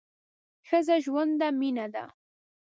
ښځه ژوند ده ، مینه ده